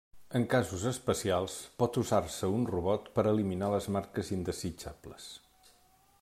En casos especials pot usar-se un robot per a eliminar les marques indesitjables.